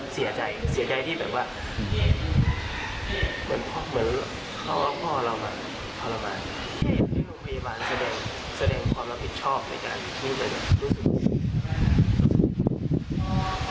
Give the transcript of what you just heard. เสียใจเสียใจที่แบบว่าเหมือนพ่อเหมือนเพราะว่าพ่อเรา